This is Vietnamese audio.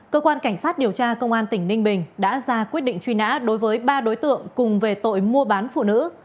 cơ quan cảnh sát điều tra công an tỉnh ninh bình đã ra quyết định truy nã đối với ba đối tượng cùng về tội mua bán phụ nữ